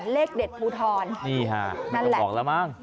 เลขเด็ดภูทรนี่ค่ะน่าจะบอกแล้วมั้ง